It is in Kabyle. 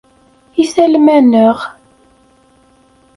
I tallem-aneɣ?